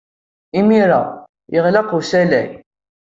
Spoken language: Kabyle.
Imir-a, yeɣleq usalay.